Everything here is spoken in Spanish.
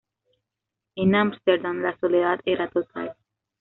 En Ámsterdam la soledad era total.